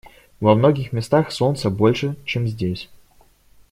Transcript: Во многих местах солнца больше, чем здесь.